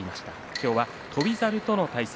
今日は翔猿との対戦。